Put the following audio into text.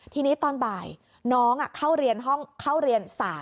ทีนี้ตอนบ่ายน้องเข้าเรียนห้องสาย